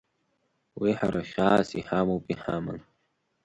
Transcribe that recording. Уи ҳара хьаас иҳамоуп иҳаман.